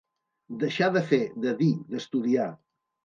Deixar de fer, de dir, d'estudiar.